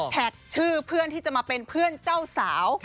ชื่อเพื่อนที่จะมาเป็นเพื่อนเจ้าสาว